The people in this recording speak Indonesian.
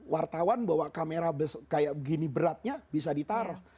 wartawan bawa kamera kayak gini beratnya bisa ditaruh